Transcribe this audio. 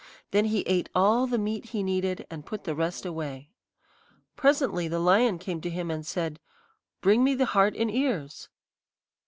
Then he ate all the meat he needed, and put the rest away. "Presently the lion came to him and said, 'Bring me the heart and ears.'